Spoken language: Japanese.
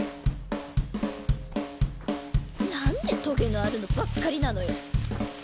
なんでトゲのあるのばっかりなのよ！